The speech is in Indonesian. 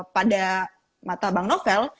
pada mata bang novel